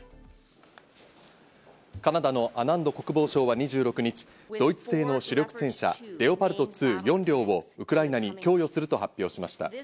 カナダのアナンド国防相は２６日、ドイツ製の主力戦車・レオパルト２、４両をウクライナに供与すると発表しました。